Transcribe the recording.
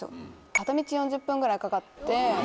片道４０分ぐらいかかって。